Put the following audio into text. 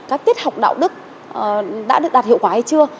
các tiết học đạo đức đã được đạt hiệu quả hay chưa